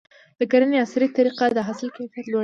د کرنې عصري طریقې د حاصل کیفیت لوړوي.